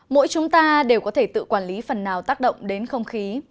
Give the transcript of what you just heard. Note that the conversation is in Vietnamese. mỗi chúng ta đều có thể tự quản lý phần nào tác động đến không khí